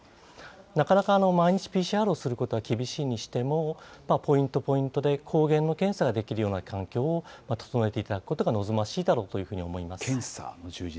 なかなか毎日ＰＣＲをすることは厳しいにしても、ポイント、ポイントで、抗原の検査ができるような環境を整えていただくことが望ましいだろうというふうに思います。